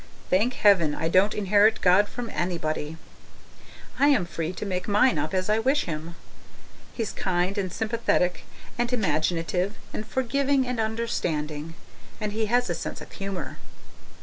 Thank heaven I don't inherit God from anybody! I am free to make mine up as I wish Him. He's kind and sympathetic and imaginative and forgiving and understanding and He has a sense of humour.